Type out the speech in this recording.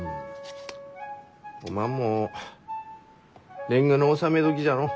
おまんも年貢の納め時じゃのう。